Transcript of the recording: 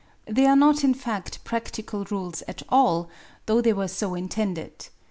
They are not in fact practical rules at all, though they were so intended.